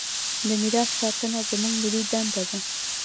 د میراث ساتنه زموږ ملي دنده ده.